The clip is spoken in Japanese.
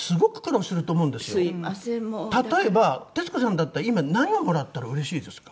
例えば徹子さんだったら今何をもらったらうれしいですか？